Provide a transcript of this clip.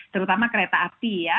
terutama kereta api ya